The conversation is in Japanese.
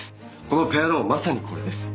このペアローンまさにこれです。